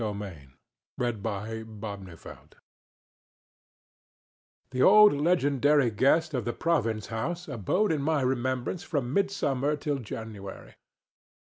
EDWARD RANDOLPH'S PORTRAIT The old legendary guest of the Province House abode in my remembrance from midsummer till January.